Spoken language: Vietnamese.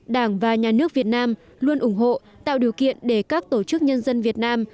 đảng và nhà nước việt nam luôn ủng hộ tạo điều kiện để các tổ chức nhân dân việt nam